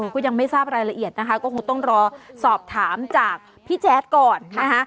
ก็ยังไม่ทราบรายละเอียดนะคะก็คงต้องรอสอบถามจากพี่แจ๊ดก่อนนะคะ